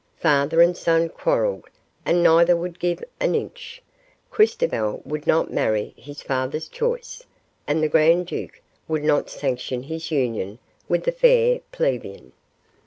Father and son quarreled and neither would give an inch. Christobal would not marry his father's choice, and the grand duke would not sanction his union with the fair plebeian."